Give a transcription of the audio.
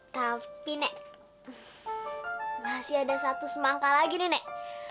tapi nek masih ada satu semangkah lagi nenek